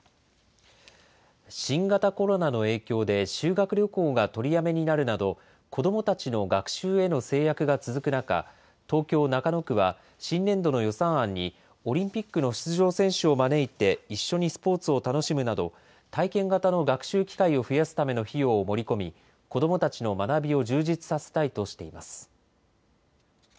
新型コロナの影響で、修学旅行が取りやめになるなど、子どもたちの学習への制約が続く中、東京・中野区は、新年度の予算案に、オリンピックの出場選手を招いて、一緒にスポーツを楽しむなど、体験型の学習機会を増やすための費用を盛り込み、子どもたちの学びを充実させたいとしています。